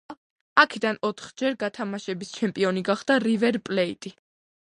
აქედან ოთხჯერ გათამაშების ჩემპიონი გახდა „რივერ პლეიტი“.